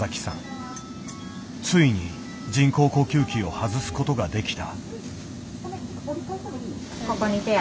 ついに人工呼吸器を外すことができた。